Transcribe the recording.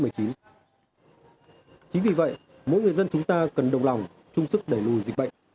chính vì vậy mỗi người dân chúng ta cần đồng lòng chung sức đẩy lùi dịch bệnh